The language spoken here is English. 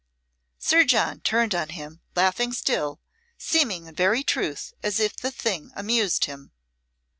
Sir John turned on him, laughing still, seeming in very truth as if the thing amused him.